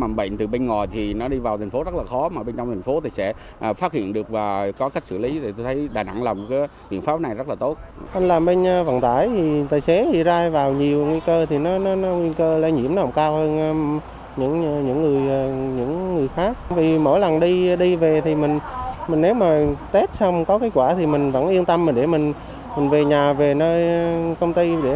mình để mình về nhà về nơi công ty để mình làm việc mình yên tâm hơn